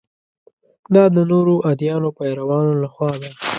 دا د نورو ادیانو پیروانو له خوا ده.